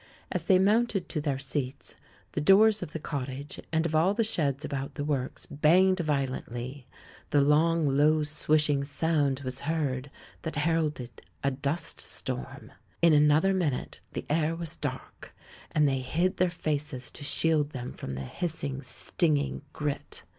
As they mounted to their seats, the doors of the cottage, and of all the sheds about the works, banged violently; the long, low swishing sound was heard that heralded a dust storm. In an other minute the air was dark, and they hid their faces to shield them from the hissing, stinging grit.